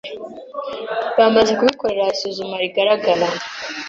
bamaze kubikorera isuzuma rigaragara.